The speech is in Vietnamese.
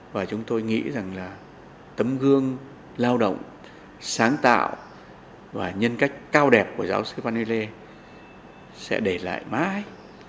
và chúng tôi nghĩ rằng tấm gương lao động sáng tạo và nhân cách cao đẹp của giáo sư phan huy lê sẽ để lại mãi